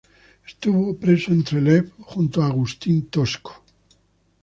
Estuvo preso en Trelew junto a Agustín Tosco.